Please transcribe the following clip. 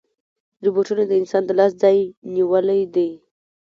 روبوټونه د انسان د لاس ځای نیولی دی.